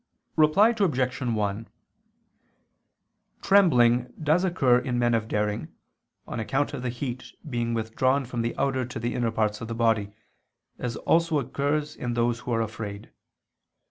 Reply Obj. 1: Trembling does occur in men of daring, on account of the heat being withdrawn from the outer to the inner parts of the body, as occurs also in those who are afraid.